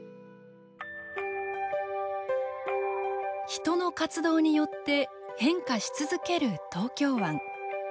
人の活動によって変化し続ける東京湾。